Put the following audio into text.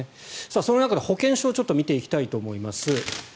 その中で、保険証を見ていきたいと思います。